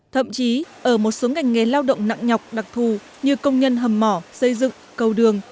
thậm chí ở một số ngành nghề lao động nặng nhọc đặc thù như công nhân hầm mỏ xây dựng cầu đường